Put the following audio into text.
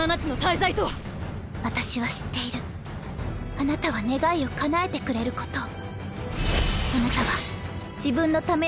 あなたは願いをかなえてくれることを。